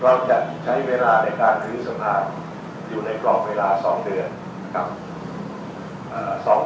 เราจะใช้เวลาในการซื้อสลากอยู่ในกรอบเวลา๒เดือนนะครับ